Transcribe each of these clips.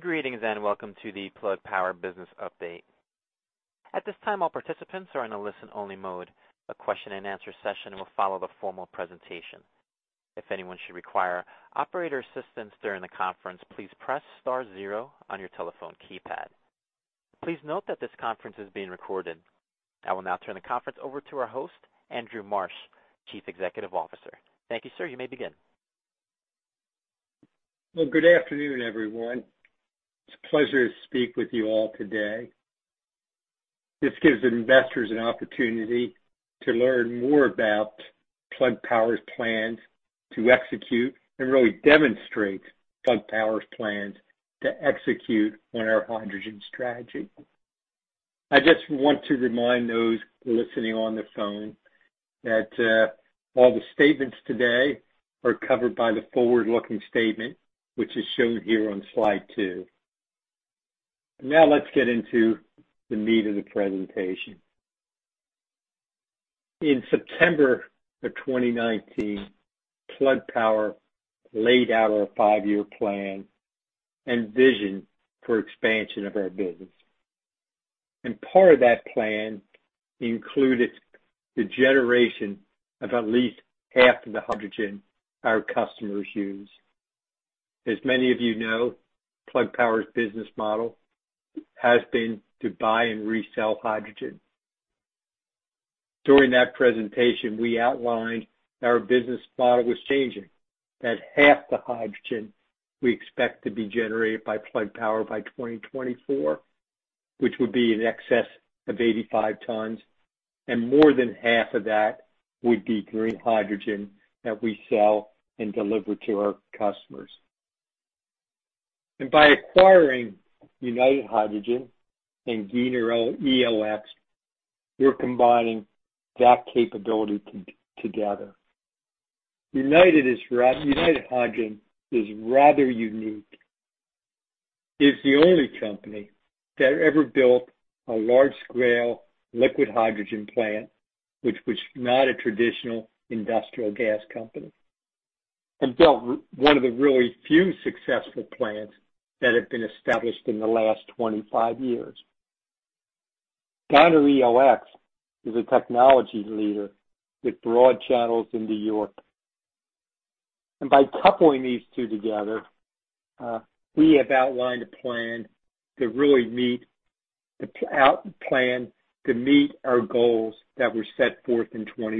Greetings and welcome to the Plug Power Business Update. At this time, all participants are in a listen-only mode. A question-and-answer session will follow the formal presentation. If anyone should require operator assistance during the conference, please press star zero on your telephone keypad. Please note that this conference is being recorded. I will now turn the conference over to our host, Andrew Marsh, Chief Executive Officer. Thank you, sir. You may begin. Well, good afternoon, everyone. It's a pleasure to speak with you all today. This gives investors an opportunity to learn more about Plug Power's plans to execute and really demonstrate Plug Power's plans to execute on our hydrogen strategy. I just want to remind those listening on the phone that all the statements today are covered by the forward-looking statement, which is shown here on slide two. Let's get into the meat of the presentation. In September of 2019, Plug Power laid out our five-year plan and vision for expansion of our business. Part of that plan included the generation of at least half of the hydrogen our customers use. As many of you know, Plug Power's business model has been to buy and resell hydrogen. During that presentation, we outlined that our business model was changing, that half the hydrogen we expect to be generated by Plug Power by 2024, which would be in excess of 85 tons, and more than half of that would be green hydrogen that we sell and deliver to our customers. By acquiring United Hydrogen and Giner ELX, we're combining that capability together. United Hydrogen is rather unique. It's the only company that ever built a large-scale liquid hydrogen plant which was not a traditional industrial gas company, and built one of the really few successful plants that have been established in the last 25 years. Giner ELX is a technology leader with broad channels into Europe. By coupling these two together, we have outlined a plan to meet our goals that were set forth for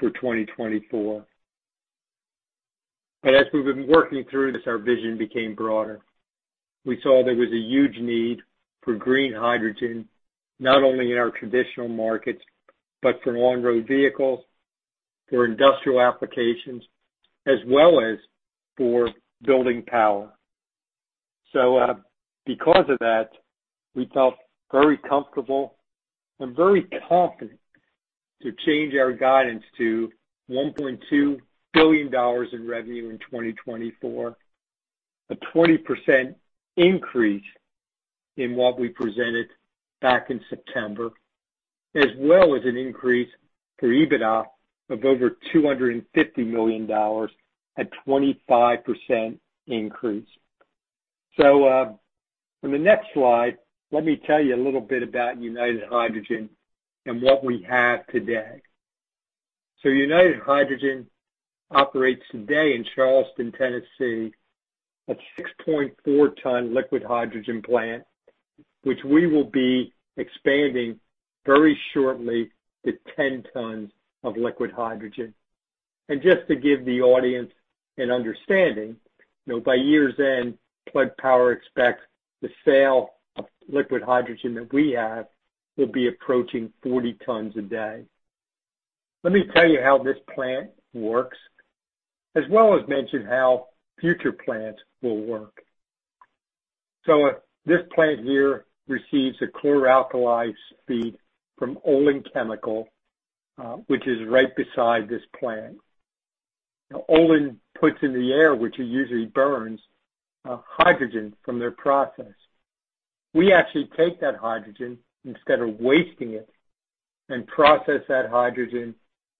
2024. As we've been working through this, our vision became broader. We saw there was a huge need for green hydrogen, not only in our traditional markets, but for long road vehicles, for industrial applications, as well as for building power. Because of that, we felt very comfortable and very confident to change our guidance to $1.2 billion in revenue in 2024, a 20% increase in what we presented back in September, as well as an increase for EBITDA of over $250 million at 25% increase. On the next slide, let me tell you a little bit about United Hydrogen and what we have today. United Hydrogen operates today in Charleston, Tennessee, a 6.4 ton liquid hydrogen plant, which we will be expanding very shortly to 10 tons of liquid hydrogen. Just to give the audience an understanding, by year's end, Plug Power expects the sale of liquid hydrogen that we have will be approaching 40 tons/day. Let me tell you how this plant works, as well as mention how future plants will work. This plant here receives a chlor-alkali feed from Olin Corporation, which is right beside this plant. Olin puts in the air, which it usually burns, hydrogen from their process. We actually take that hydrogen instead of wasting it and process that hydrogen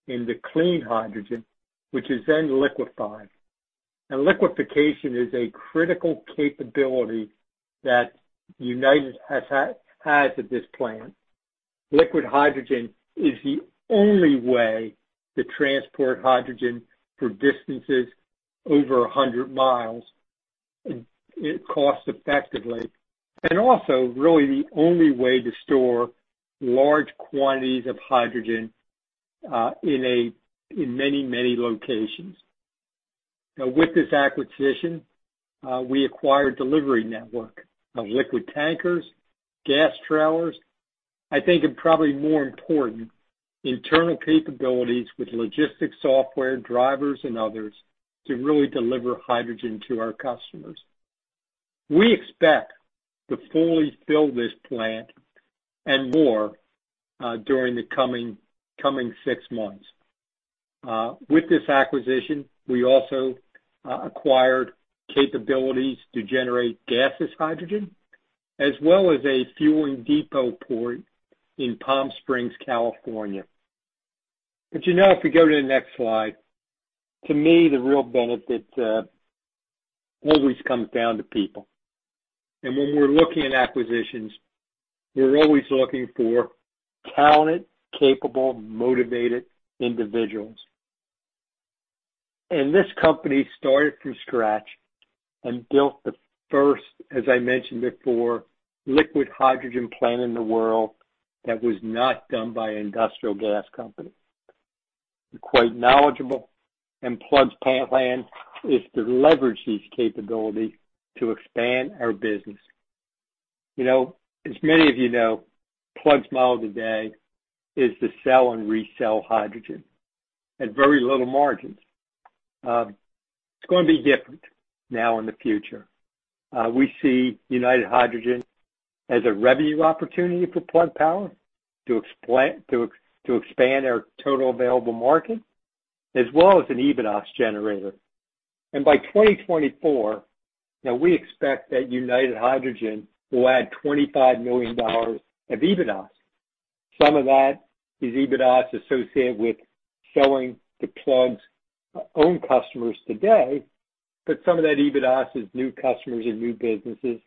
into clean hydrogen, which is then liquified. Liquefaction is a critical capability that United has at this plant. Liquid hydrogen is the only way to transport hydrogen for distances over 100 mi cost effectively, and also really the only way to store large quantities of hydrogen in many locations. Now with this acquisition, we acquired delivery network of liquid tankers, gas trailers. I think, and probably more important, internal capabilities with logistics software, drivers, and others to really deliver hydrogen to our customers. We expect to fully fill this plant and more, during the coming six months. With this acquisition, we also acquired capabilities to generate gaseous hydrogen, as well as a fueling depot in Palm Springs, California. If you go to the next slide, to me, the real benefit always comes down to people. When we're looking at acquisitions, we're always looking for talented, capable, motivated individuals. This company started from scratch and built the first, as I mentioned before, liquid hydrogen plant in the world that was not done by an industrial gas company. Quite knowledgeable, and Plug's plan is to leverage these capabilities to expand our business. As many of you know, Plug's model today is to sell and resell hydrogen at very little margins. It's going to be different now in the future. We see United Hydrogen as a revenue opportunity for Plug Power to expand our total available market, as well as an EBITDA generator. By 2024, we expect that United Hydrogen will add $25 million of EBITDA. Some of that is EBITDA associated with selling to Plug's own customers today, but some of that EBITDA is new customers and new businesses.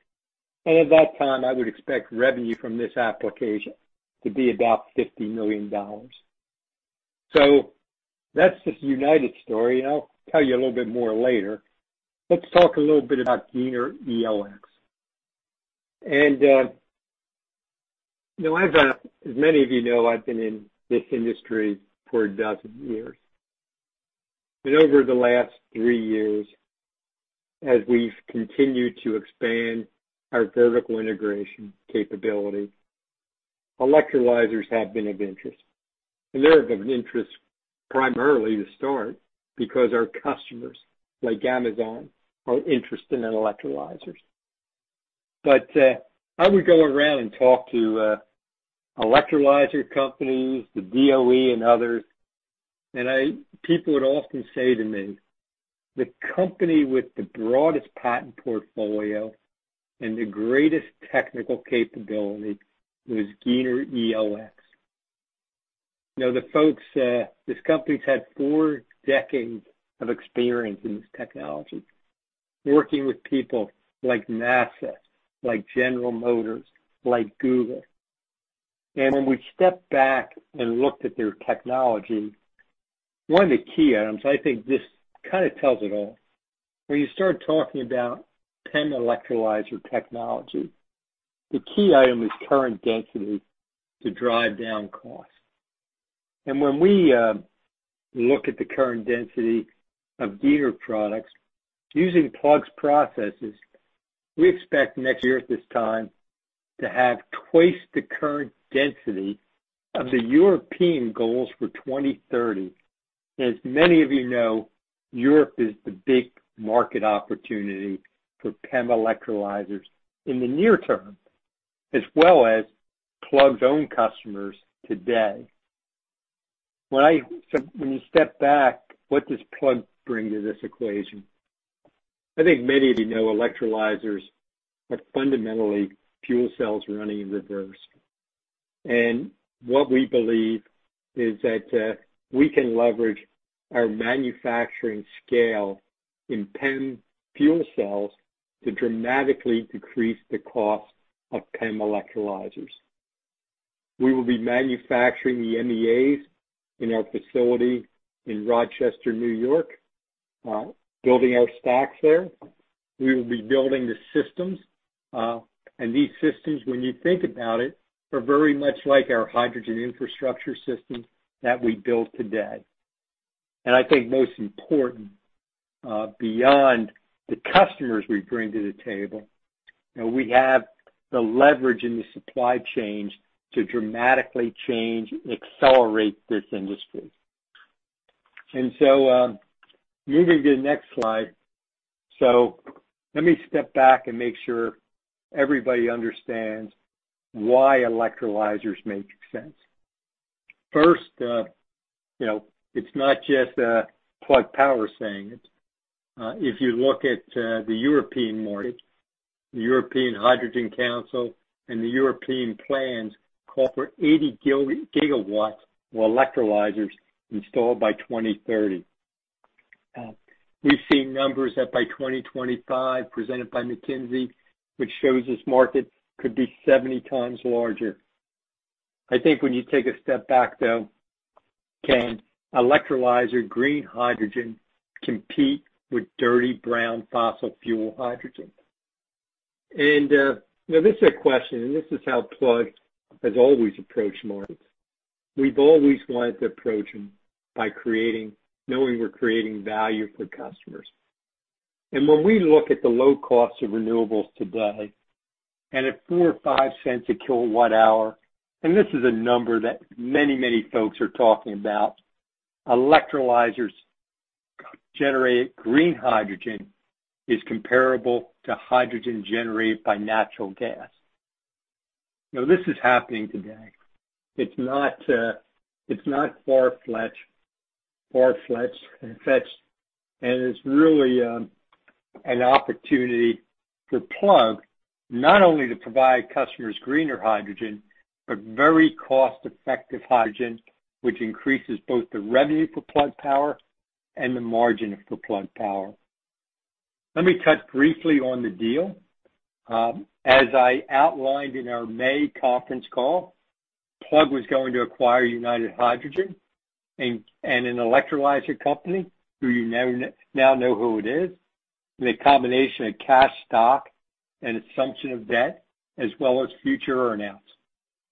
At that time, I would expect revenue from this application to be about $50 million. That's the United story, and I'll tell you a little bit more later. Let's talk a little bit about Giner ELX. As many of you know, I've been in this industry for a dozen years. Over the last three years, as we've continued to expand our vertical integration capability, electrolyzers have been of interest. They're of an interest primarily to start because our customers, like Amazon, are interested in electrolyzers. I would go around and talk to electrolyzer companies, the DOE, and others, and people would often say to me, the company with the broadest patent portfolio and the greatest technical capability was Giner ELX. Now, this company's had four decades of experience in this technology, working with people like NASA, like General Motors, like Google. When we stepped back and looked at their technology, one of the key items, I think this kind of tells it all. When you start talking about PEM electrolyzer technology, the key item is current density to drive down cost. When we look at the current density of Giner products, using Plug's processes, we expect next year at this time to have twice the current density of the European goals for 2030. As many of you know, Europe is the big market opportunity for PEM electrolyzers in the near term, as well as Plug's own customers today. When you step back, what does Plug bring to this equation? I think many of you know electrolyzers are fundamentally fuel cells running in reverse. What we believe is that we can leverage our manufacturing scale in PEM fuel cells to dramatically decrease the cost of PEM electrolyzers. We will be manufacturing the MEAs in our facility in Rochester, N.Y., building our stacks there. We will be building the systems. These systems, when you think about it, are very much like our hydrogen infrastructure systems that we build today. I think most important, beyond the customers we bring to the table, we have the leverage in the supply chains to dramatically change and accelerate this industry. Moving to the next slide. Let me step back and make sure everybody understands why electrolyzers make sense. First, it's not just Plug Power saying it. If you look at the European market, the European Hydrogen Council and the European plans call for 80 GW of electrolyzers installed by 2030. We've seen numbers that by 2025, presented by McKinsey, which shows this market could be 70 times larger. I think when you take a step back, though, can electrolyzer green hydrogen compete with dirty brown fossil fuel hydrogen? This is a question, and this is how Plug has always approached markets. We've always wanted to approach them by knowing we're creating value for customers. When we look at the low cost of renewables today, at $0.04 or $0.05/kWh, and this is a number that many folks are talking about, electrolyzers generate green hydrogen is comparable to hydrogen generated by natural gas. This is happening today. It's not far-fetched. It's really an opportunity for Plug not only to provide customers greener hydrogen, but very cost-effective hydrogen, which increases both the revenue for Plug Power and the margin for Plug Power. Let me touch briefly on the deal. As I outlined in our May conference call, Plug was going to acquire United Hydrogen and an electrolyzer company, who you now know who it is, with a combination of cash, stock, and assumption of debt, as well as future earn-outs.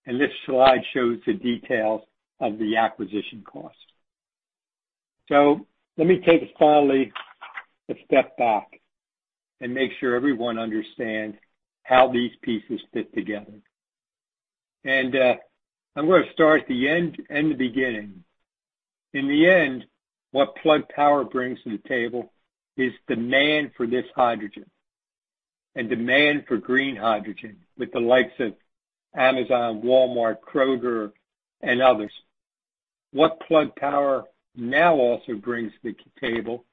This slide shows the details of the acquisition cost. Let me take finally a step back and make sure everyone understands how these pieces fit together. I'm going to start at the end and the beginning. In the end, what Plug Power brings to the table is demand for this hydrogen and demand for green hydrogen with the likes of Amazon, Walmart, Kroger, and others. What Plug Power now also brings to the table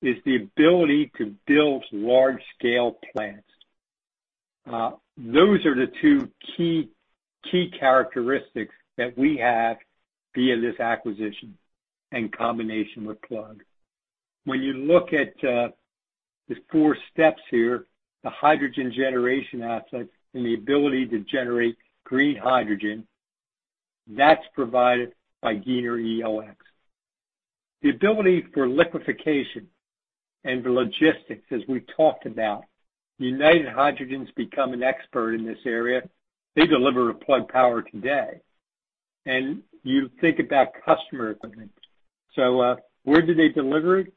is the ability to build large-scale plants. Those are the two key characteristics that we have via this acquisition in combination with Plug. When you look at the four steps here, the hydrogen generation asset and the ability to generate green hydrogen, that's provided by Giner ELX. The ability for liquefaction and the logistics, as we talked about, United Hydrogen's become an expert in this area. They deliver to Plug Power today. You think about customer equipment. Where do they deliver it?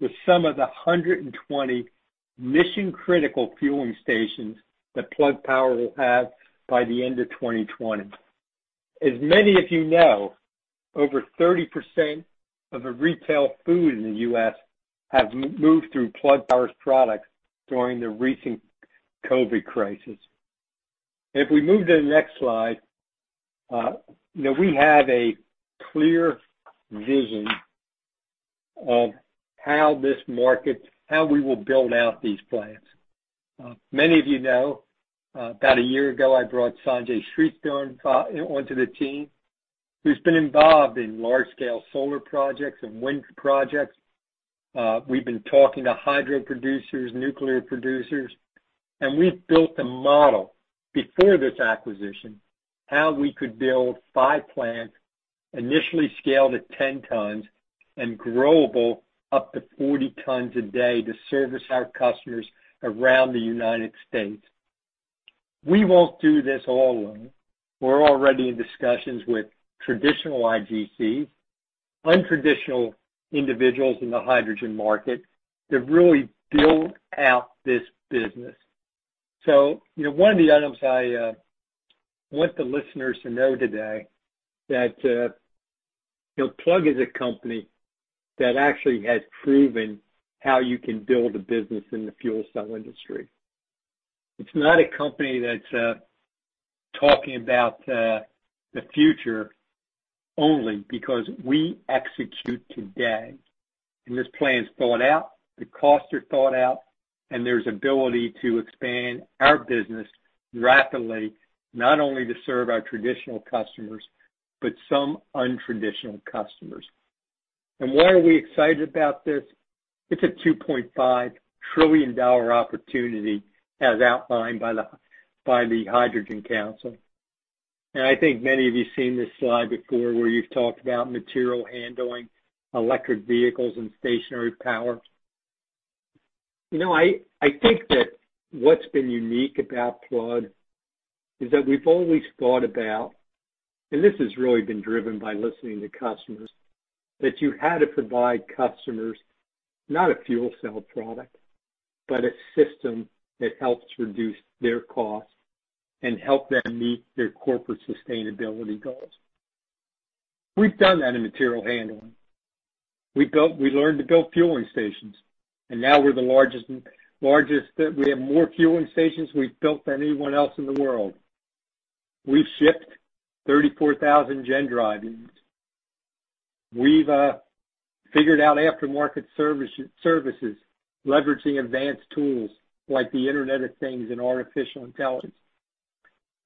To some of the 120 mission-critical fueling stations that Plug Power will have by the end of 2020. As many of you know, over 30% of the retail food in the U.S. have moved through Plug Power's products during the recent COVID crisis. If we move to the next slide, we have a clear vision of how this market, how we will build out these plants. Many of you know, about a year ago, I brought Sanjay Shrestha onto the team, who's been involved in large-scale solar projects and wind projects. We've been talking to hydro producers, nuclear producers, and we've built a model before this acquisition, how we could build five plants initially scaled at 10 tons and growable up to 40 tons/day to service our customers around the United States. We won't do this alone. We're already in discussions with traditional IGC, untraditional individuals in the hydrogen market to really build out this business. One of the items I want the listeners to know today that Plug is a company that actually has proven how you can build a business in the fuel cell industry. It's not a company that's talking about the future only because we execute today, this plan's thought out, the costs are thought out, there's ability to expand our business rapidly, not only to serve our traditional customers, but some untraditional customers. Why are we excited about this? It's a $2.5 trillion opportunity as outlined by the Hydrogen Council. I think many of you seen this slide before where you've talked about material handling, electric vehicles, and stationary power. I think that what's been unique about Plug is that we've always thought about, and this has really been driven by listening to customers, that you had to provide customers not a fuel cell product, but a system that helps reduce their costs and help them meet their corporate sustainability goals. We've done that in material handling. We learned to build fueling stations, now we're the largest. We have more fueling stations we've built than anyone else in the world. We've shipped 34,000 GenDrives. We've figured out aftermarket services, leveraging advanced tools like the Internet of Things and artificial intelligence.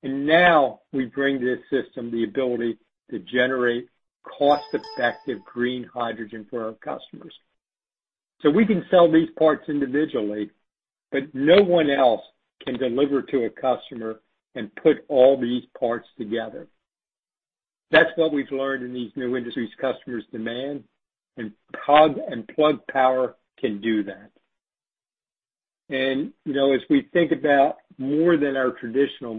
Now we bring to this system the ability to generate cost-effective green hydrogen for our customers. We can sell these parts individually, but no one else can deliver to a customer and put all these parts together. That's what we've learned in these new industries customers demand, Plug Power can do that. As we think about more than our traditional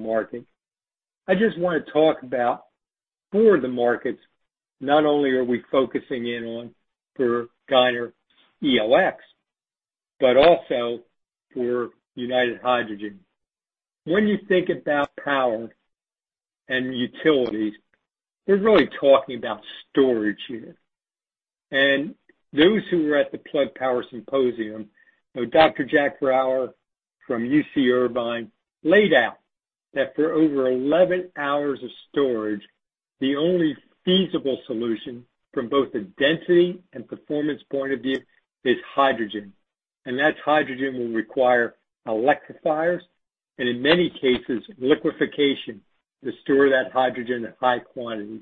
market, I just want to talk about more of the markets not only are we focusing in on for Giner ELX, but also for United Hydrogen. When you think about power and utilities, we're really talking about storage here. Those who were at the Plug Power Symposium, Dr. Jack Brouwer from UC Irvine laid out that for over 11 hours of storage, the only feasible solution from both a density and performance point of view is hydrogen. That hydrogen will require electrolyzers, and in many cases, liquefaction to store that hydrogen at high quantities.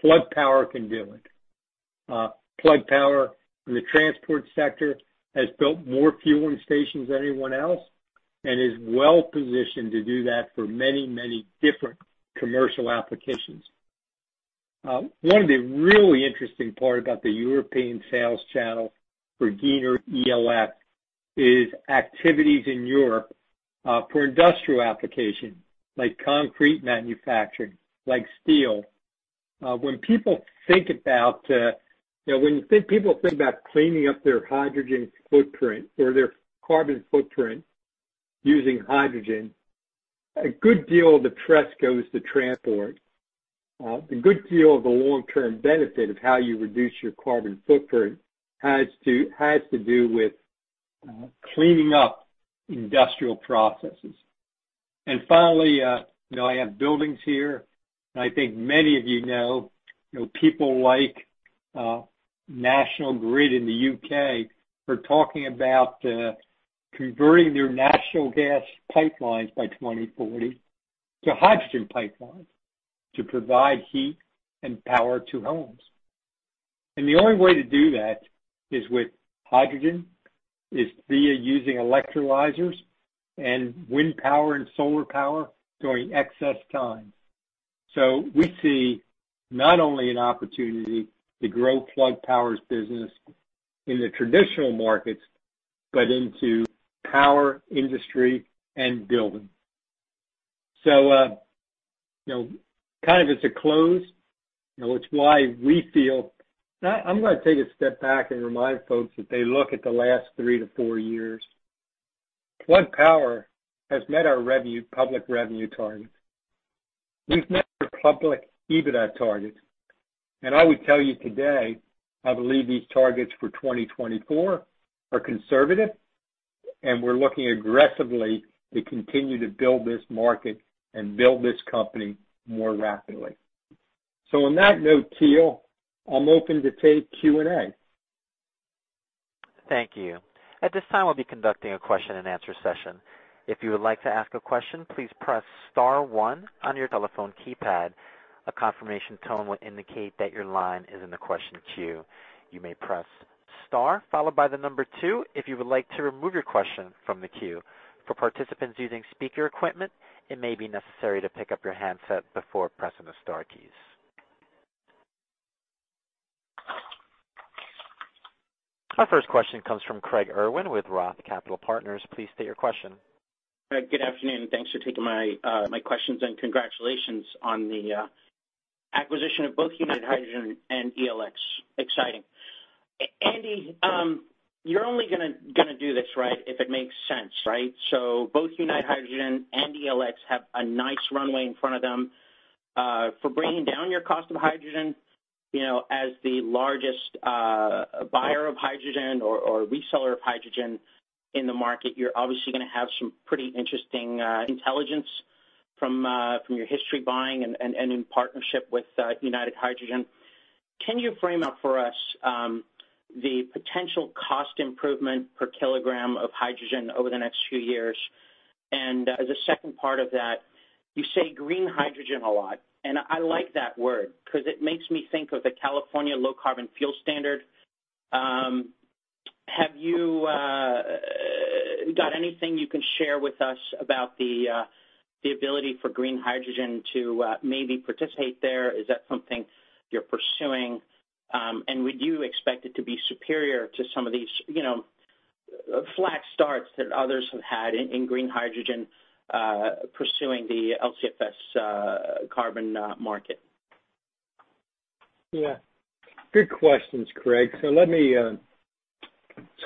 Plug Power can do it. Plug Power in the transport sector has built more fueling stations than anyone else and is well-positioned to do that for many, many different commercial applications. One of the really interesting part about the European sales channel for Giner ELX is activities in Europe for industrial application, like concrete manufacturing, like steel. When people think about cleaning up their hydrogen footprint or their carbon footprint using hydrogen, a good deal of the press goes to transport. A good deal of the long-term benefit of how you reduce your carbon footprint has to do with cleaning up industrial processes. Finally, I have buildings here, and I think many of you know people like National Grid in the U.K. are talking about converting their natural gas pipelines by 2040 to hydrogen pipelines to provide heat and power to homes. The only way to do that is with hydrogen, is via using electrolyzers and wind power and solar power during excess times. We see not only an opportunity to grow Plug Power's business in the traditional markets, but into power industry and building. Kind of as a close, it's why I'm going to take a step back and remind folks that they look at the last three to four years. Plug Power has met our public revenue targets. We've met our public EBITDA targets. I would tell you today, I believe these targets for 2024 are conservative, and we're looking aggressively to continue to build this market and build this company more rapidly. On that note, Teal, I'm open to take Q&A. Thank you. At this time, we'll be conducting a question and answer session. If you would like to ask a question, please press star one on your telephone keypad. A confirmation tone will indicate that your line is in the question queue. You may press star followed by the number two if you would like to remove your question from the queue. For participants using speaker equipment, it may be necessary to pick up your handset before pressing the star keys. Our first question comes from Craig Irwin with ROTH Capital Partners. Please state your question. Good afternoon. Thanks for taking my questions and congratulations on the acquisition of both United Hydrogen and ELX. Exciting. Andy, you're only going to do this right if it makes sense, right? Both United Hydrogen and ELX have a nice runway in front of them for bringing down your cost of hydrogen. As the largest buyer of hydrogen or reseller of hydrogen in the market, you're obviously going to have some pretty interesting intelligence from your history buying and in partnership with United Hydrogen. Can you frame out for us the potential cost improvement per kilogram of hydrogen over the next few years? As a second part of that, you say green hydrogen a lot, and I like that word because it makes me think of the California Low Carbon Fuel Standard. Have you got anything you can share with us about the ability for green hydrogen to maybe participate there? Is that something you're pursuing, and would you expect it to be superior to some of these flat starts that others have had in green hydrogen pursuing the LCFS carbon market? Yeah. Good questions, Craig. Let me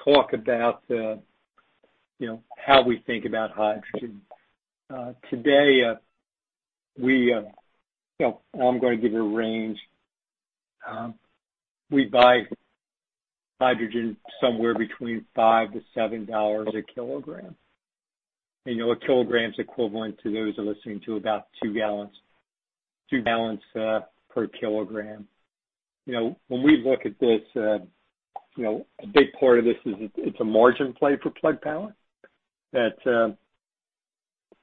talk about how we think about hydrogen. Today, I'm going to give you a range. We buy hydrogen somewhere between $5-$7/kg. A kilogram is equivalent to those listening to about 2 gal/kg. When we look at this, a big part of this is it's a margin play for Plug Power that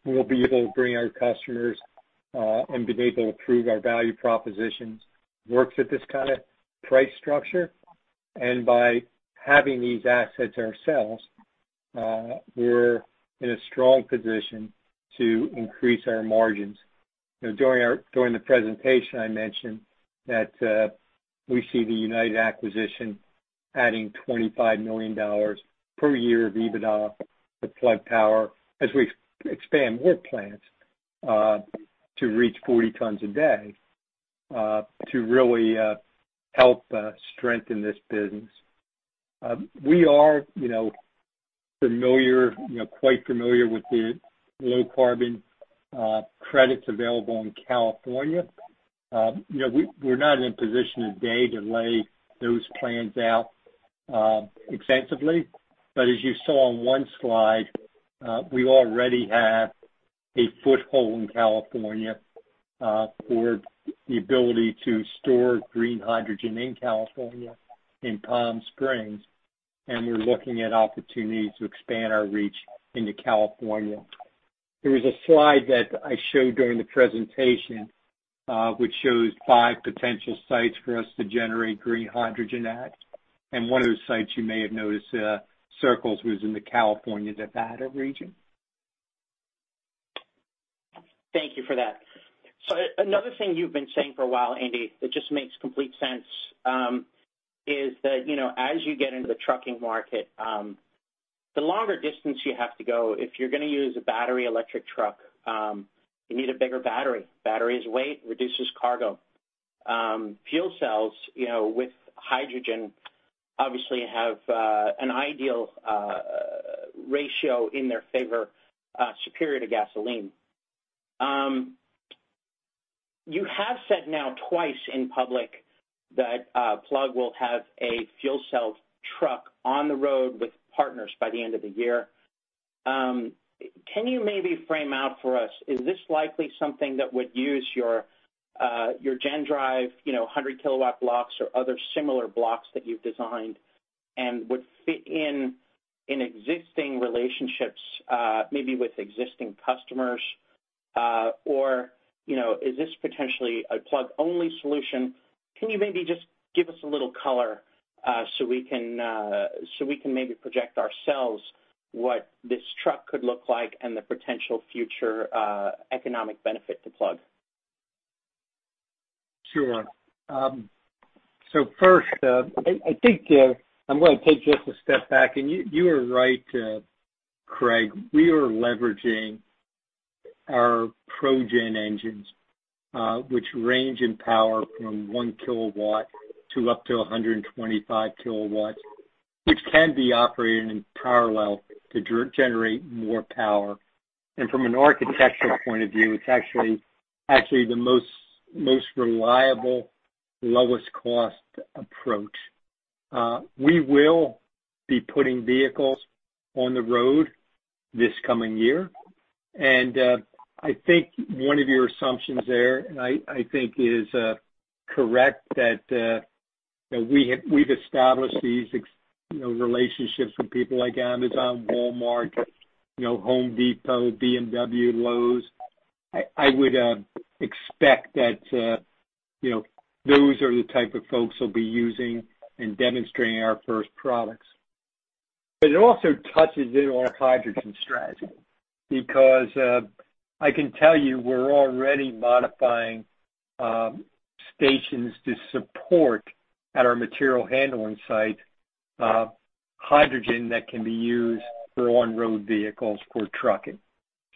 we'll be able to bring our customers and be able to prove our value propositions works at this kind of price structure. By having these assets ourselves, we're in a strong position to increase our margins. During the presentation, I mentioned that we see the United acquisition adding $25 million per year of EBITDA to Plug Power as we expand our plants to reach 40 tons/day to really help strengthen this business. We are quite familiar with the low-carbon credits available in California. We're not in a position today to lay those plans out extensively. As you saw on one slide, we already have a foothold in California for the ability to store green hydrogen in California, in Palm Springs, and we're looking at opportunities to expand our reach into California. There is a slide that I showed during the presentation, which shows five potential sites for us to generate green hydrogen at. One of those sites you may have noticed circles was in the California, Nevada region. Thank you for that. Another thing you've been saying for a while, Andy, that just makes complete sense, is that, as you get into the trucking market, the longer distance you have to go, if you're going to use a battery electric truck, you need a bigger battery. Battery is weight, reduces cargo. Fuel cells with hydrogen obviously have an ideal ratio in their favor, superior to gasoline. You have said now twice in public that Plug will have a fuel cell truck on the road with partners by the end of the year. Can you maybe frame out for us, is this likely something that would use your GenDrive 100 kW blocks or other similar blocks that you've designed and would fit in existing relationships, maybe with existing customers? Or is this potentially a Plug-only solution? Can you maybe just give us a little color so we can maybe project ourselves what this truck could look like and the potential future economic benefit to Plug? First, I think I'm going to take just a step back, and you are right, Craig. We are leveraging our ProGen engines, which range in power from 1 kW to up to 125 kW, which can be operated in parallel to generate more power. From an architectural point of view, it's actually the most reliable, lowest cost approach. We will be putting vehicles on the road this coming year. I think one of your assumptions there, and I think is correct, that we've established these relationships with people like Amazon, Walmart, Home Depot, BMW, Lowe's. I would expect that those are the type of folks who'll be using and demonstrating our first products. It also touches in our hydrogen strategy because I can tell you we're already modifying stations to support, at our material handling site, hydrogen that can be used for on-road vehicles for trucking.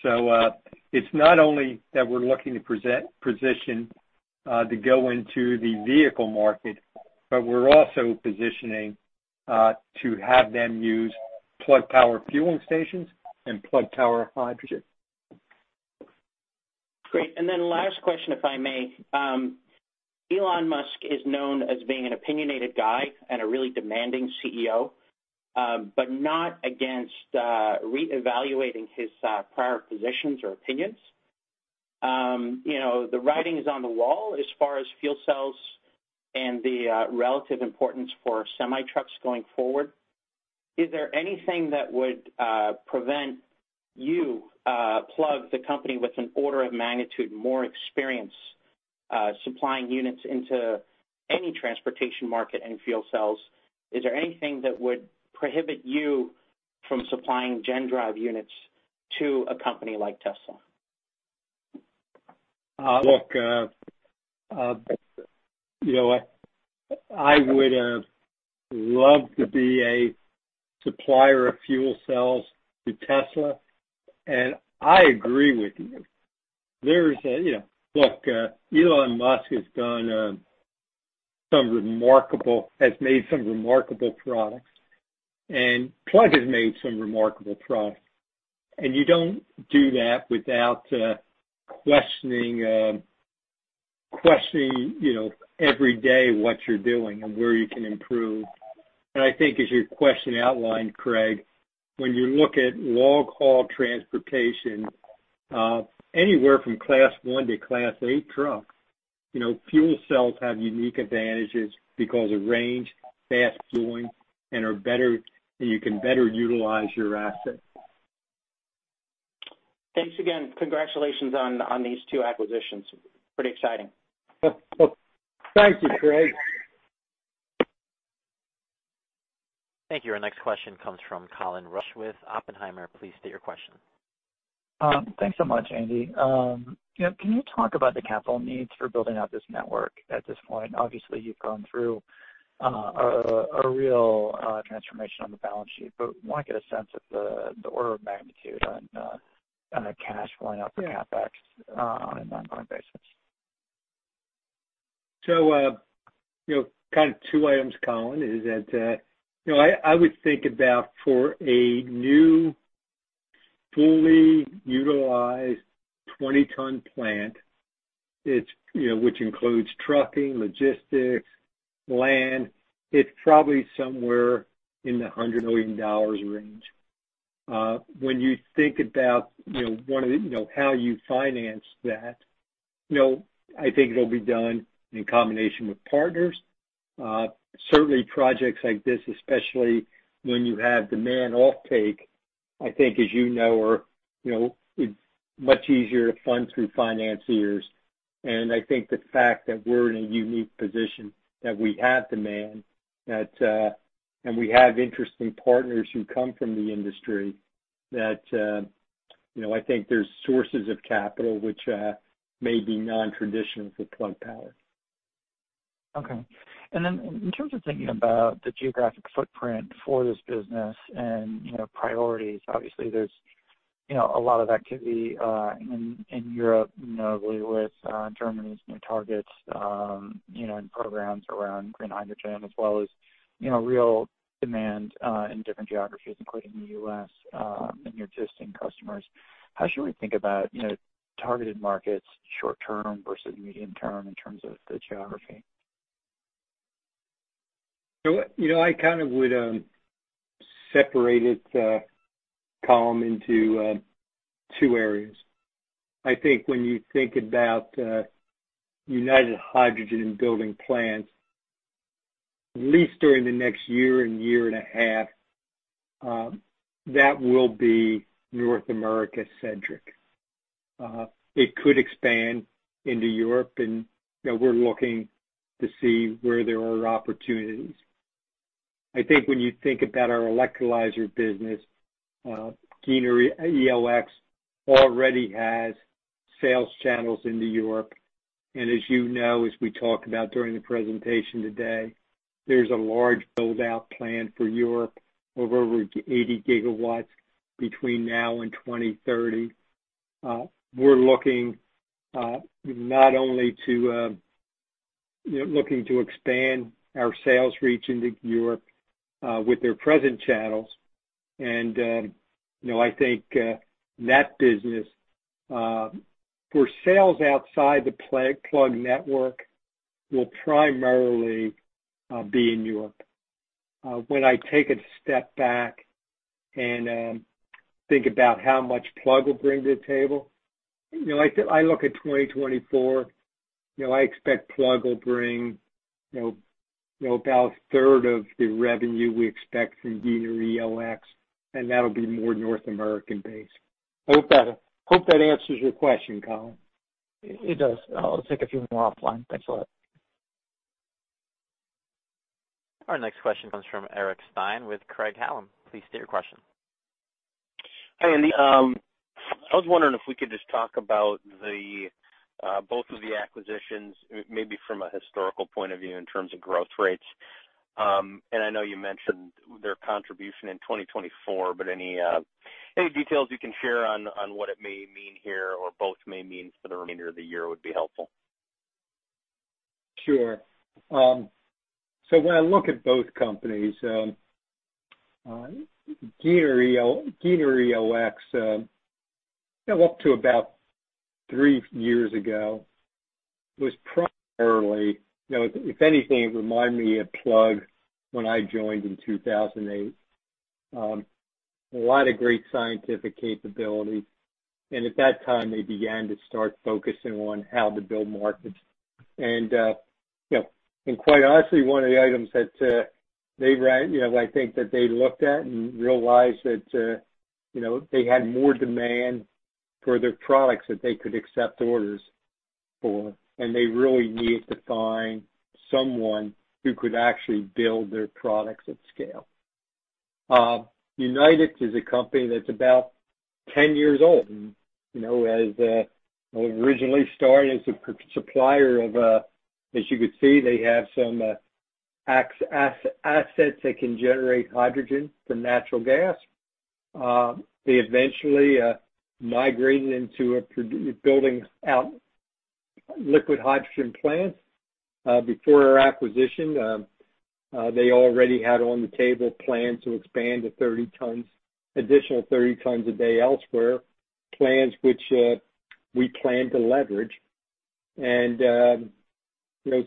It's not only that we're looking to position to go into the vehicle market, but we're also positioning to have them use Plug Power fueling stations and Plug Power hydrogen. Great. Last question, if I may. Elon Musk is known as being an opinionated guy and a really demanding CEO, but not against reevaluating his prior positions or opinions. The writing is on the wall as far as fuel cells and the relative importance for semi-trucks going forward. Is there anything that would prevent you, Plug, the company with an order of magnitude more experience supplying units into any transportation market and fuel cells, is there anything that would prohibit you from supplying GenDrive units to a company like Tesla? Look, I would have loved to be a supplier of fuel cells to Tesla. I agree with you. Look, Elon Musk has made some remarkable products. Plug has made some remarkable products. You don't do that without questioning every day what you're doing and where you can improve. I think as your question outlined, Craig, when you look at long-haul transportation, anywhere from class 1 to class 8 trucks, fuel cells have unique advantages because of range, fast fueling, and you can better utilize your asset. Thanks again. Congratulations on these two acquisitions. Pretty exciting. Thank you, Craig. Thank you. Our next question comes from Colin Rusch with Oppenheimer. Please state your question. Thanks so much, Andy. Can you talk about the capital needs for building out this network at this point? Obviously, you've gone through a real transformation on the balance sheet, but want to get a sense of the order of magnitude on the cash going out for CapEx on an ongoing basis? Kind of two items, Colin, is that I would think about for a new fully utilized 20-ton plant, which includes trucking, logistics, land, it's probably somewhere in the $100 million range. When you think about how you finance that, I think it'll be done in combination with partners. Certainly, projects like this, especially when you have demand offtake, I think as you know, are much easier to fund through financiers. I think the fact that we're in a unique position, that we have demand, and we have interesting partners who come from the industry, that I think there's sources of capital which may be non-traditional for Plug Power. Okay. In terms of thinking about the geographic footprint for this business and priorities, obviously there's a lot of activity in Europe, notably with Germany's new targets, and programs around green hydrogen as well as real demand in different geographies, including the U.S., and your existing customers. How should we think about targeted markets short-term versus medium-term in terms of the geography? I kind of would separate it, Colin, into two areas. I think when you think about United Hydrogen building plants, at least during the next year and year and a half, that will be North America-centric. It could expand into Europe, and we're looking to see where there are opportunities. I think when you think about our electrolyzer business, Giner ELX already has sales channels into Europe. As you know, as we talked about during the presentation today, there's a large build-out plan for Europe of over 80 GW between now and 2030. We're looking to expand our sales reach into Europe, with their present channels. I think that business, for sales outside the Plug network, will primarily be in Europe. When I take a step back and think about how much Plug will bring to the table, I look at 2024, I expect Plug will bring about a 1/3 of the revenue we expect from Giner ELX. That'll be more North American-based. I hope that answers your question, Colin. It does. I'll take a few more offline. Thanks a lot. Our next question comes from Eric Stine with Craig-Hallum. Please state your question. Hi, Andy. I was wondering if we could just talk about both of the acquisitions, maybe from a historical point of view in terms of growth rates. I know you mentioned their contribution in 2024, but any details you can share on what it may mean here or both may mean for the remainder of the year would be helpful. Sure. When I look at both companies, Giner ELX, up to about three years ago, if anything, it reminded me of Plug when I joined in 2008. A lot of great scientific capability. At that time, they began to start focusing on how to build markets. Quite honestly, one of the items that I think that they looked at and realized that they had more demand for their products that they could accept orders for, and they really needed to find someone who could actually build their products at scale. United is a company that's about 10 years old, and it originally started as a supplier of, as you could see, they have some assets that can generate hydrogen from natural gas. They eventually migrated into building out liquid hydrogen plants. Before our acquisition, they already had on-the-table plans to expand additional 30 tons/day elsewhere, plans which we plan to leverage.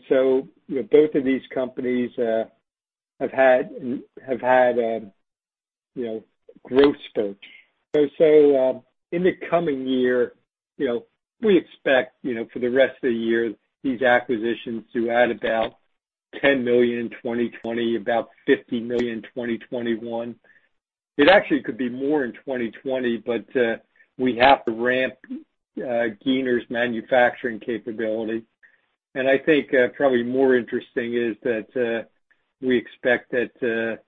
So both of these companies have had growth spurts. In the coming year, we expect, for the rest of the year, these acquisitions to add about $10 million in 2020, about $50 million in 2021. It actually could be more in 2020, but we have to ramp Giner's manufacturing capability. I think probably more interesting is that we expect that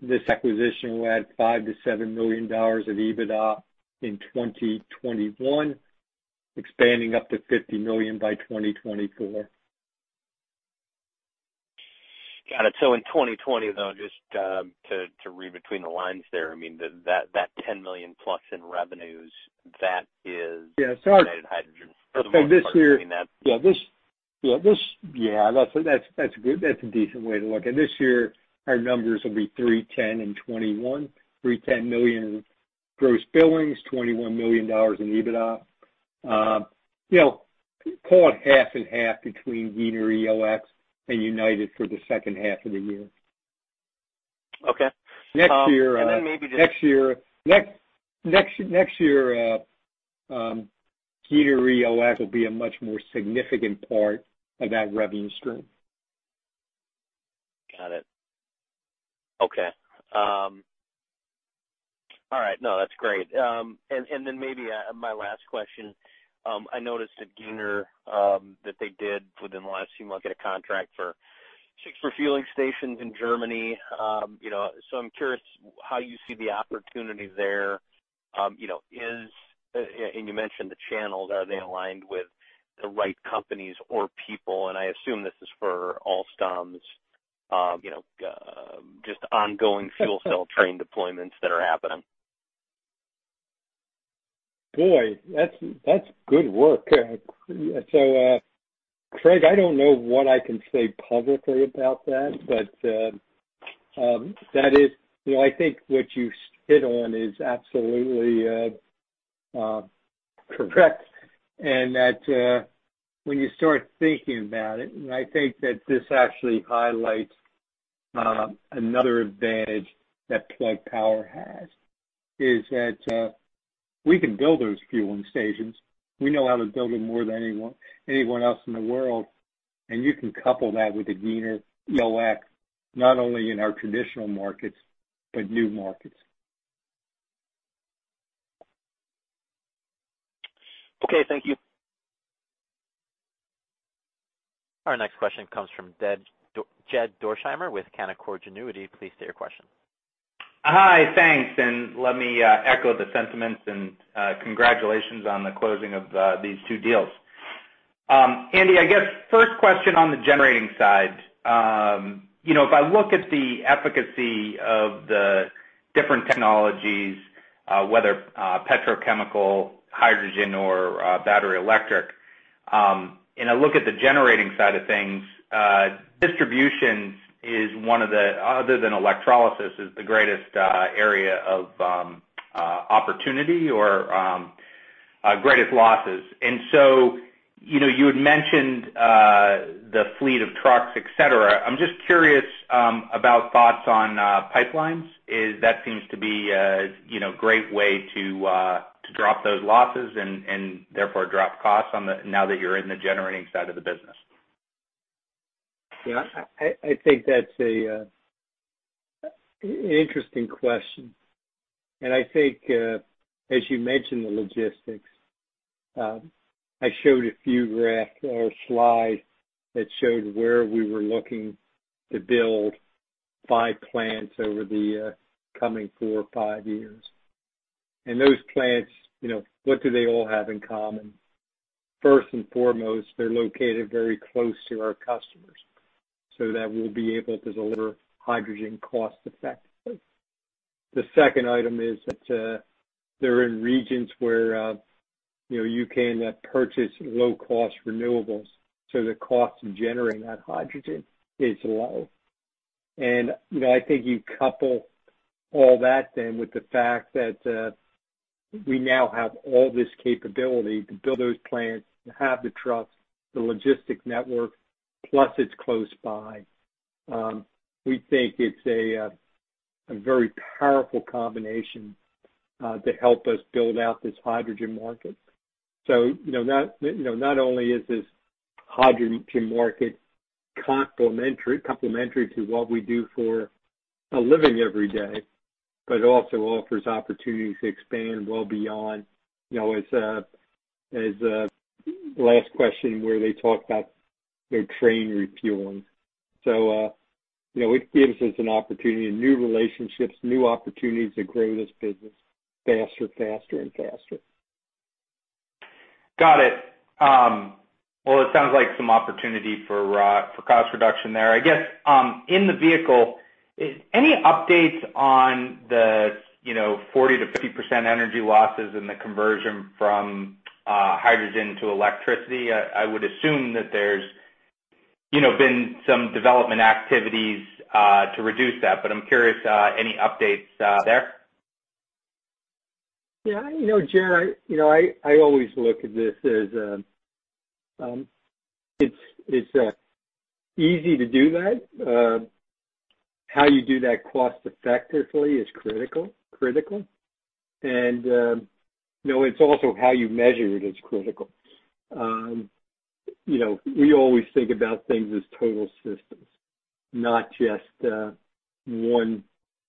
this acquisition will add $5 million-$7 million of EBITDA in 2021, expanding up to $50 million by 2024. Got it. In 2020, though, just to read between the lines there, I mean, that $10 million+ in revenue that is in United Hydrogen. This year, yeah, that's a decent way to look at it. This year, our numbers will be 310 and 21. $310 million gross billings, $21 million in EBITDA. Call it half and half between Giner ELX and United for the second half of the year. Okay. Next year, Giner ELX will be a much more significant part of that revenue stream. Got it. Okay. All right. Maybe my last question, I noticed at Giner ELX, that they did, within the last few months, get a contract for six refueling stations in Germany. I'm curious how you see the opportunity there. You mentioned the channels, are they aligned with the right companies or people? I assume this is for Alstom, just ongoing fuel cell train deployments that are happening. Boy, that's good work. Eric, I don't know what I can say publicly about that, but, I think what you hit on is absolutely correct, and that when you start thinking about it, and I think that this actually highlights another advantage that Plug Power has, is that we can build those fueling stations. We know how to build them more than anyone else in the world. You can couple that with the Giner ELX, not only in our traditional markets, but new markets. Okay, thank you. Our next question comes from Jed Dorsheimer with Canaccord Genuity. Please state your question. Hi, thanks. Let me echo the sentiments and congratulations on the closing of these two deals. Andy, I guess, first question on the generating side. If I look at the efficacy of the different technologies, whether petrochemical, hydrogen, or battery electric, and I look at the generating side of things, distribution is one of the, other than electrolysis, is the greatest area of opportunity or greatest losses. You had mentioned the fleet of trucks, et cetera. I'm just curious about thoughts on pipelines. That seems to be a great way to drop those losses and therefore drop costs now that you're in the generating side of the business. I think that's an interesting question. I think, as you mentioned, the logistics. I showed a few slides that showed where we were looking to build five plants over the coming four or five years. Those plants, what do they all have in common? First and foremost, they're located very close to our customers, so that we'll be able to deliver hydrogen cost-effectively. The second item is that they're in regions where you can purchase low-cost renewables, so the cost of generating that hydrogen is low. I think you couple all that then with the fact that we now have all this capability to build those plants, to have the trucks, the logistic network, plus it's close by. We think it's a very powerful combination to help us build out this hydrogen market. Not only is this hydrogen market complementary to what we do for a living every day, but it also offers opportunities to expand well beyond, as last question where they talked about their train refueling. It gives us an opportunity, new relationships, new opportunities to grow this business faster and faster. Got it. Well, it sounds like some opportunity for cost reduction there. I guess, in the vehicle, any updates on the 40%-50% energy losses in the conversion from hydrogen to electricity? I would assume that there's been some development activities to reduce that, but I'm curious, any updates there? Yeah. Jed, I always look at this as it's easy to do that. How you do that cost effectively is critical. It's also how you measure it is critical. We always think about things as total systems, not just one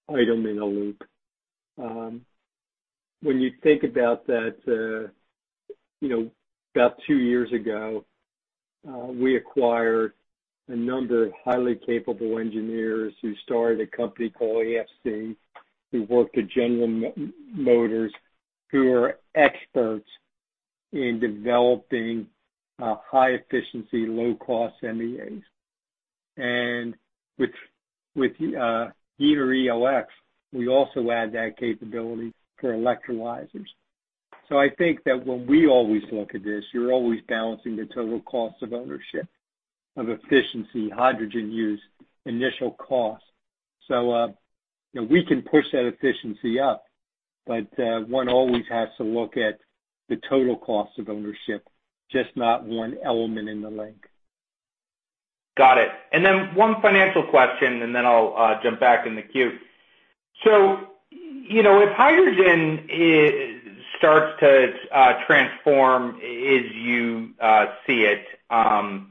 item in a loop. When you think about that, about two years ago, we acquired a number of highly capable engineers who started a company called AFC, who worked at General Motors, who are experts in developing high-efficiency, low-cost MEAs. With ELX, we also add that capability for electrolyzers. I think that when we always look at this, you're always balancing the total cost of ownership, of efficiency, hydrogen use, initial cost. We can push that efficiency up, but one always has to look at the total cost of ownership, just not one element in the link. Got it. One financial question, then I'll jump back in the queue. If hydrogen starts to transform as you see it, and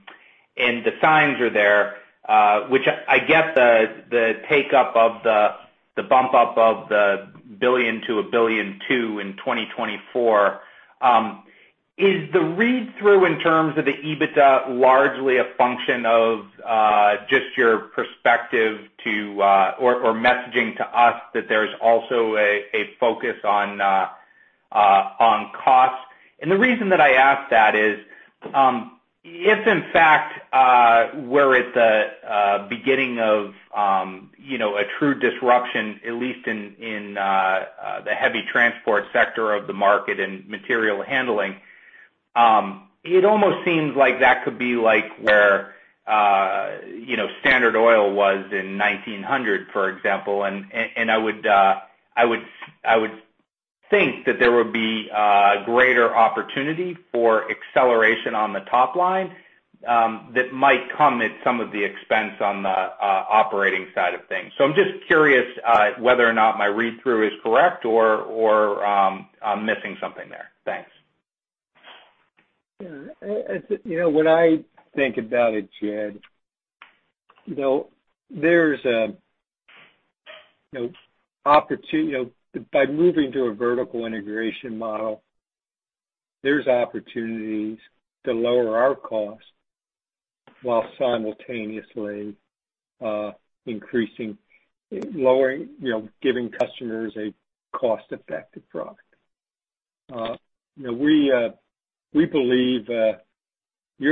the signs are there, which I get the take up of the bump up of the $1 billion to $1.2 billion in 2024, is the read-through in terms of the EBITDA largely a function of just your perspective to or messaging to us that there's also a focus on costs? The reason that I ask that is, if in fact we're at the beginning of a true disruption, at least in the heavy transport sector of the market and material handling, it almost seems like that could be like where Standard Oil was in 1900, for example. I would think that there would be greater opportunity for acceleration on the top line that might come at some of the expense on the operating side of things. I'm just curious whether or not my read-through is correct or I'm missing something there? Thanks. When I think about it, Jed, by moving to a vertical integration model, there's opportunities to lower our cost while simultaneously giving customers a cost-effective product. You're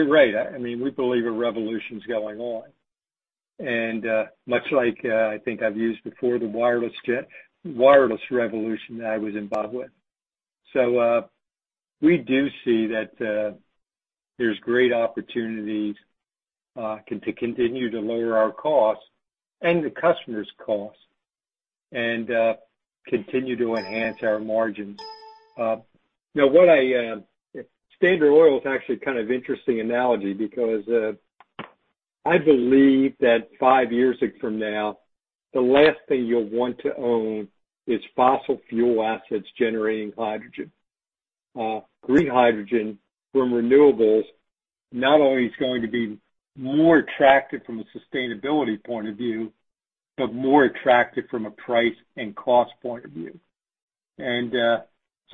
right, we believe a revolution's going on, much like I think I've used before, the wireless revolution that I was involved with. We do see that there's great opportunities to continue to lower our costs and the customer's costs and continue to enhance our margins. Standard Oil is actually kind of interesting analogy because I believe that five years from now, the last thing you'll want to own is fossil fuel assets generating hydrogen. Green hydrogen from renewables not only is going to be more attractive from a sustainability point of view, but more attractive from a price and cost point of view.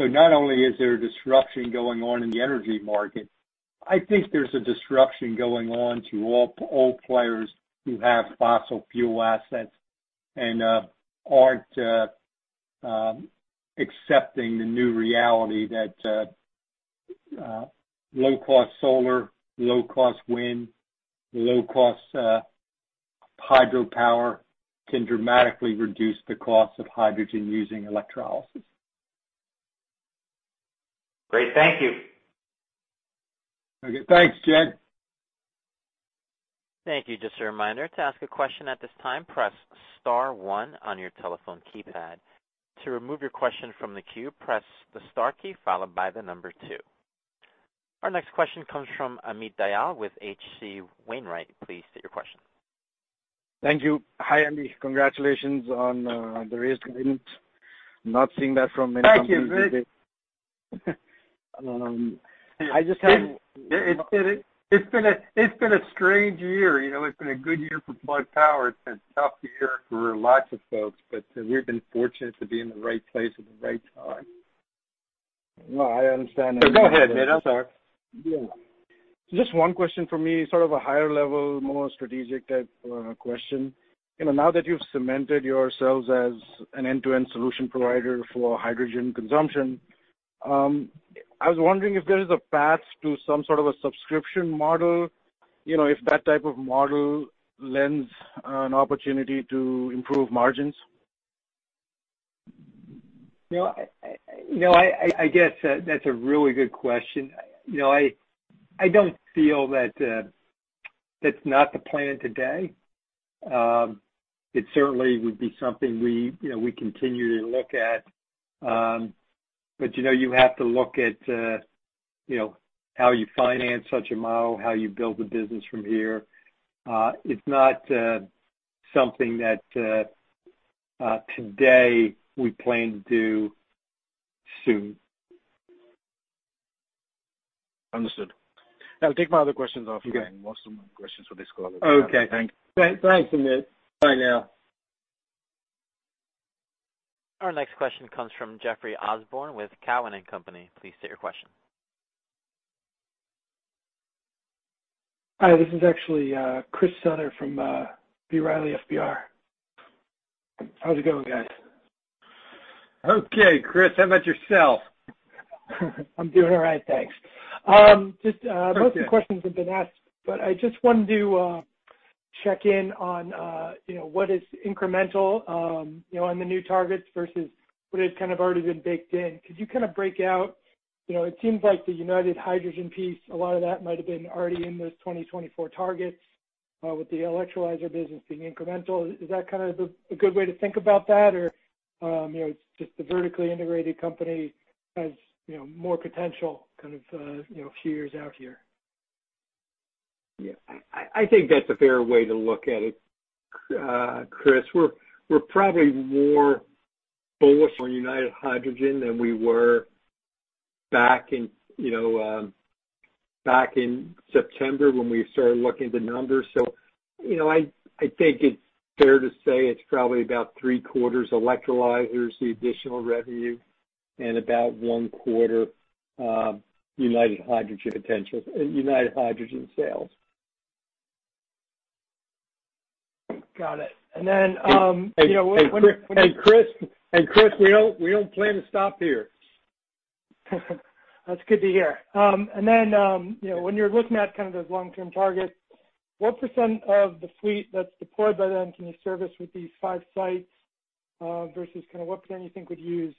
Not only is there a disruption going on in the energy market, I think there's a disruption going on to all players who have fossil fuel assets and aren't accepting the new reality that low-cost solar, low-cost wind, low-cost hydropower can dramatically reduce the cost of hydrogen using electrolysis. Great. Thank you. Okay. Thanks, Jed. Thank you. Our next question comes from Amit Dayal with H.C. Wainwright. Please state your question. Thank you. Hi, Andy. Congratulations on the raised guidance. Not seeing that from many companies today. Thank you. It's been a strange year. It's been a good year for Plug Power. It's been a tough year for lots of folks, but we've been fortunate to be in the right place at the right time. No, I understand. Go ahead, Amit. Yeah. Just one question for me, sort of a higher level, more strategic type question. Now that you've cemented yourselves as an end-to-end solution provider for hydrogen consumption, I was wondering if there is a path to some sort of a subscription model, if that type of model lends an opportunity to improve margins? I guess that's a really good question. I don't feel that that's not the plan today. It certainly would be something we continue to look at. You have to look at how you finance such a model, how you build the business from here. It's not something that today we plan to do soon. Understood. I'll take my other questions offline. Most of my questions for this call. Thanks. Thanks, Amit. Bye now. Our next question comes from Chris Souther from B. Riley FBR. Please state your question. How's it going, guys? Okay, Chris, how about yourself? I'm doing all right, thanks. Most of the questions have been asked, I just wanted to check in on what is incremental on the new targets versus what has kind of already been baked in. Could you kind of break out? It seems like the United Hydrogen piece, a lot of that might've been already in those 2024 targets, with the electrolyzer business being incremental. Is that kind of a good way to think about that? Just the vertically integrated company has more potential kind of a few years out here? Yeah. I think that's a fair way to look at it, Chris. We're probably more bullish on United Hydrogen than we were back in September when we started looking at the numbers. I think it's fair to say it's probably about three-quarters electrolyzers, the additional revenue, and about one quarter United Hydrogen sales. Got it. Chris, we don't plan to stop here. That's good to hear. When you're looking at those long-term targets, what percent of the fleet that's deployed by then can you service with these five sites, versus what percentage you think would use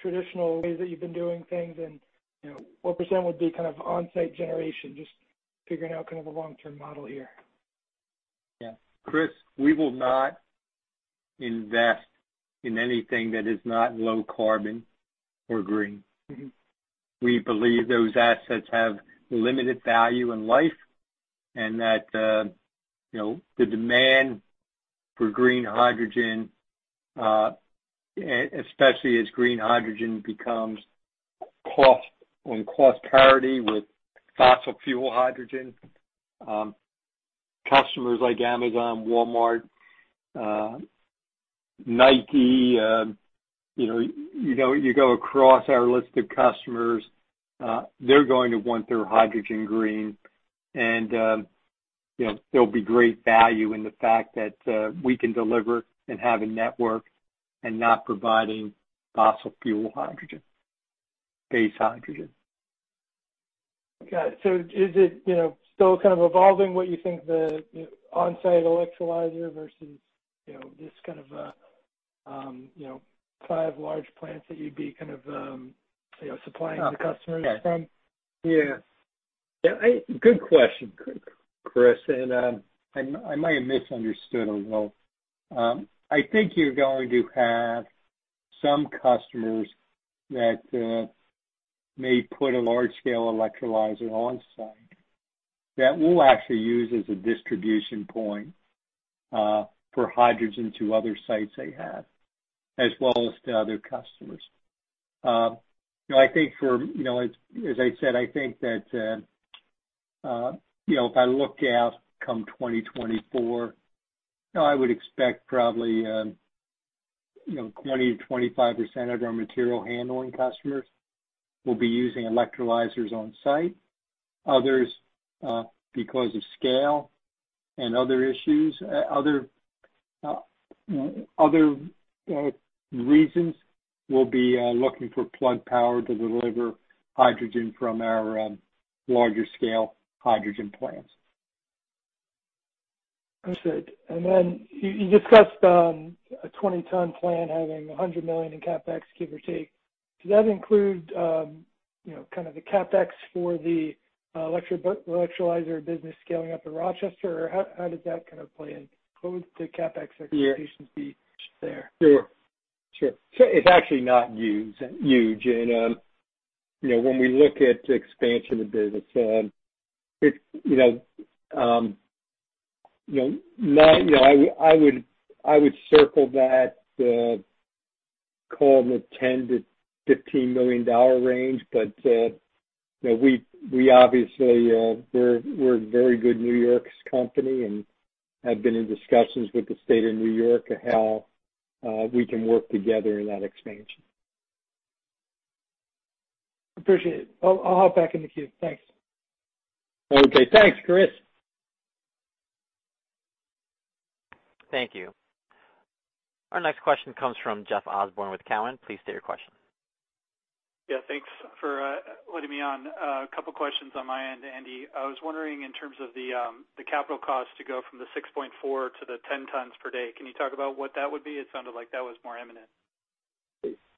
traditional ways that you've been doing things and, what percent would be kind of onsite generation? Just figuring out a long-term model here. Yeah. Chris, we will not invest in anything that is not low carbon or green. We believe those assets have limited value and life, and that the demand for green hydrogen, especially as green hydrogen becomes on cost parity with fossil fuel hydrogen. Customers like Amazon, Walmart, Nike, you go across our list of customers, they're going to want their hydrogen green. There'll be great value in the fact that we can deliver and have a network and not providing fossil fuel hydrogen, base hydrogen. Got it. Is it still kind of evolving what you think the onsite electrolyzer versus this kind of five large plants that you'd be kind of supplying the customers from? Good question, Chris. I might have misunderstood a little. I think you're going to have some customers that may put a large-scale electrolyzer on-site that we'll actually use as a distribution point for hydrogen to other sites they have, as well as to other customers. As I said, I think that if I look out come 2024, I would expect probably 20%-25% of our material handling customers will be using electrolyzers on site. Others, because of scale and other issues, other reasons, will be looking for Plug Power to deliver hydrogen from our larger scale hydrogen plants. Understood. Then you discussed a 20-ton plant having $100 million in CapEx, give or take. Does that include the CapEx for the electrolyzer business scaling up in Rochester, or how does that kind of play in? What would the CapEx expectations be there? Sure. It's actually not huge. When we look at expansion of business, I would circle that, call it the $10 million-$15 million range, but we obviously, we're a very good New York company and have been in discussions with the state of New York of how we can work together in that expansion. Appreciate it. I'll hop back in the queue. Thanks. Okay. Thanks, Chris. Thank you. Our next question comes from Jeff Osborne with Cowen. Please state your question. Yeah, thanks for letting me on. A couple questions on my end, Andy. I was wondering in terms of the capital cost to go from the 6.4 tons to the 10 tons/day, can you talk about what that would be? It sounded like that was more imminent.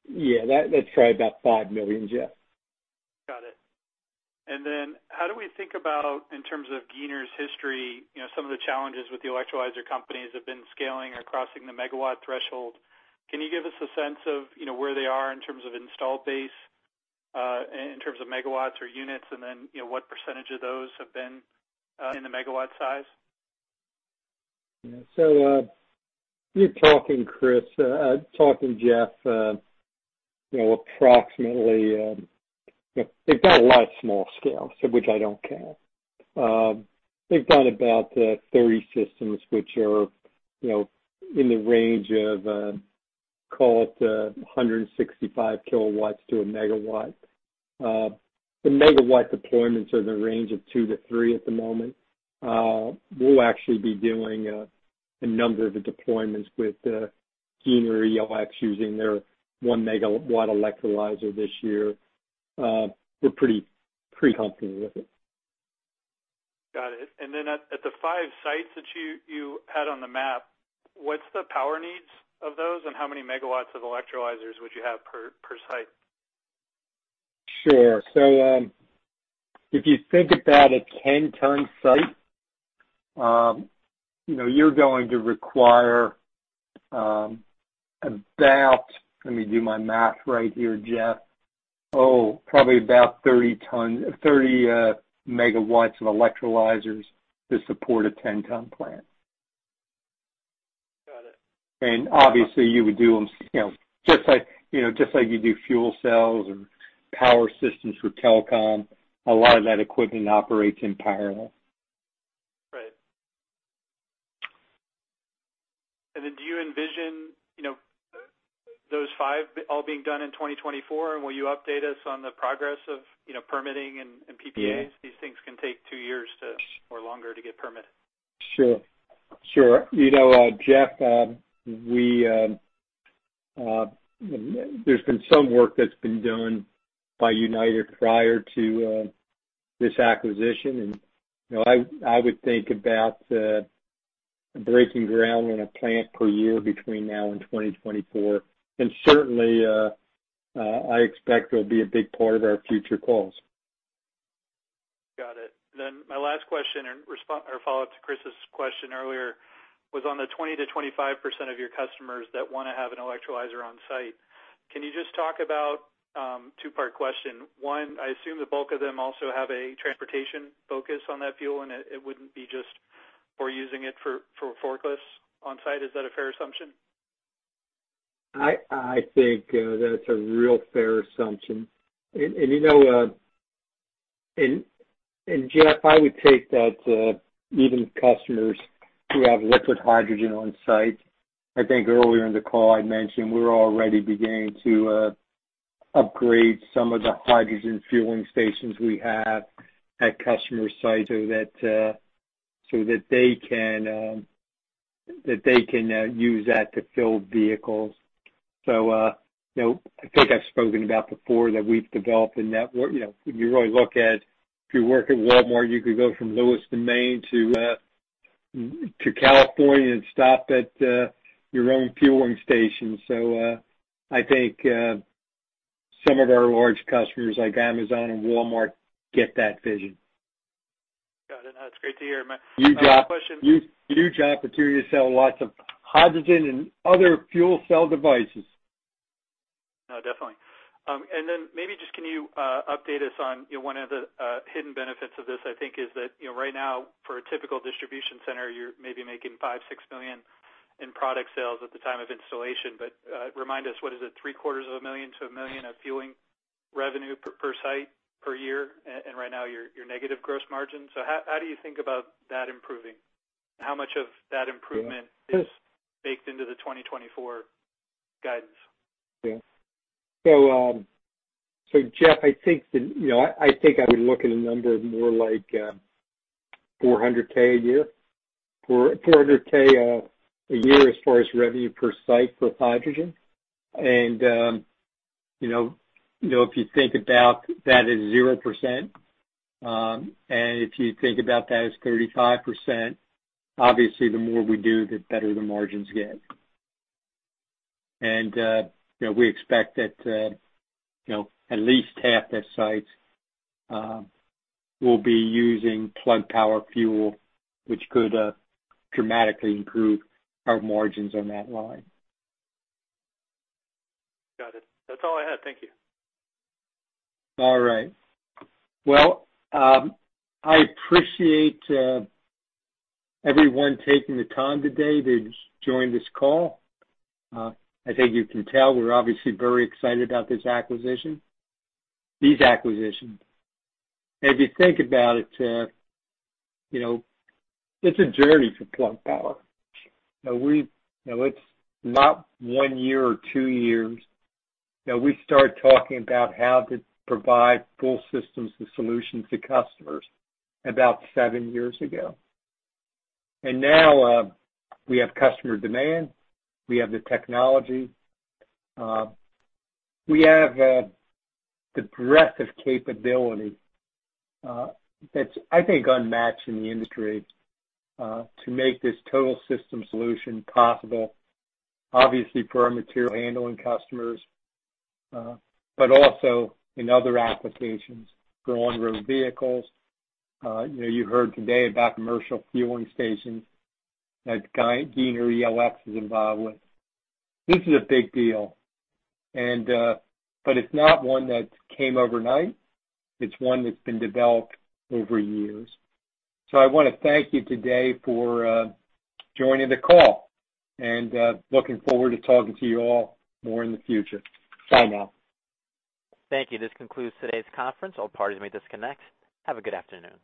Yeah, that's probably about $5 million, Jeff. Got it. How do we think about, in terms of Giner ELX's history, some of the challenges with the electrolyzer companies have been scaling or crossing the megawatt threshold. Can you give us a sense of where they are in terms of installed base, in terms of megawatts or units, what percentage of those have been in the megawatt size? Yeah. You're talking, Chris, talking Jeff, approximately. They've got a lot of small scale, which I don't count. They've got about 30 systems which are in the range of, call it 165 kW to a 1 MW. The megawatt deployments are in the range of two to three at the moment. We'll actually be doing a number of deployments with Giner ELX using their 1 MW electrolyzer this year. We're pretty confident with it. Got it. At the five sites that you had on the map, what's the power needs of those and how many megawatts of electrolyzers would you have per site? Sure. If you think about a 10-ton site, you're going to require about, let me do my math right here, Jeff. Probably about 30 MW of electrolyzers to support a 10-ton plant. Got it. Obviously you would do them, just like you do fuel cells or power systems for telecom. A lot of that equipment operates in parallel. Right. Then do you envision those five all being done in 2024? Will you update us on the progress of permitting and PPAs? These things can take two years or longer to get permitted. Sure. Jeff, there's been some work that's been done by United prior to this acquisition. I would think about breaking ground on a plant per year between now and 2024. Certainly, I expect it'll be a big part of our future calls. Got it. My last question, or follow-up to Chris's question earlier, was on the 20%-25% of your customers that want to have an electrolyzer on site. Can you just talk about, two-part question. One, I assume the bulk of them also have a transportation focus on that fuel, and it wouldn't be just for using it for forklifts on site. Is that a fair assumption? I think that's a real fair assumption. Jeff, I would take that even customers who have liquid hydrogen on site, I think earlier in the call, I mentioned we're already beginning to upgrade some of the hydrogen fueling stations we have at customer sites so that they can use that to fill vehicles. I think I've spoken about before that we've developed a network. When you really look at if you work at Walmart, you could go from Lewiston, Maine to California and stop at your own fueling station. I think some of our large customers, like Amazon and Walmart, get that vision. Got it. No, that's great to hear, Andy. Huge opportunity to sell lots of hydrogen and other fuel cell devices. No, definitely. Maybe just can you update us on one of the hidden benefits of this, I think is that right now, for a typical distribution center, you're maybe making $5 million, $6 million in product sales at the time of installation. Remind us, what is it, three-quarters of a million to $1 million of fueling revenue per site per year? Right now, your negative gross margin. How do you think about that improving? How much of that improvement is baked into the 2024 guidance? Yeah. Jeff, I think I would look at a number more like 400,000 a year. 400,000 a year as far as revenue per site for hydrogen. If you think about that as 0%, and if you think about that as 35%, obviously the more we do, the better the margins get. We expect that at least half the sites will be using Plug Power fuel, which could dramatically improve our margins on that line. Got it. That's all I had. Thank you. All right. Well, I appreciate everyone taking the time today to join this call. I think you can tell we're obviously very excited about this acquisition, these acquisitions. If you think about it's a journey for Plug Power. It's not one year or two years. We started talking about how to provide full systems and solutions to customers about seven years ago. Now, we have customer demand. We have the technology. We have the breadth of capability, that's, I think, unmatched in the industry, to make this total system solution possible, obviously for our material handling customers, but also in other applications for on-road vehicles. You heard today about commercial fueling stations that Giner ELX is involved with. This is a big deal. It's not one that came overnight. It's one that's been developed over years. I want to thank you today for joining the call, and looking forward to talking to you all more in the future. Bye now. Thank you. This concludes today's conference. All parties may disconnect. Have a good afternoon.